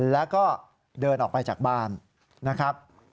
แล้วก็เดินออกไปจากบ้านนะครับ